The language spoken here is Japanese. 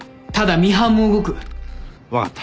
分かった。